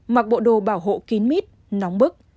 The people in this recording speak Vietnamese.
mặc bộ đồ bảo hộ kín mít nóng bức